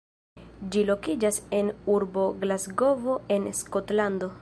Ĝi lokiĝas en urbo Glasgovo en Skotlando.